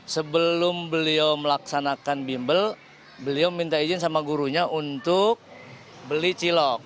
sebelum beliau melaksanakan bimbel beliau minta izin sama gurunya untuk beli cilok